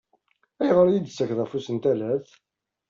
Ayɣer i iyi-d-tettakkeḍ afus n talalt?